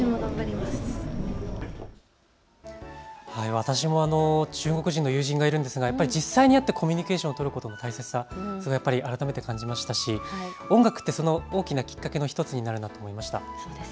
私も中国人の友人がいるんですが実際に会ってコミュニケーションを取ることの大切さ、改めて感じましたし、音楽ってその大きなきっかけになれたと感じました。